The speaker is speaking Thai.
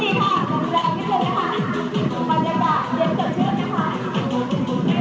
ยืดยืดซ้ายซ้ายแม่เอ่ยทางไหนทางนี้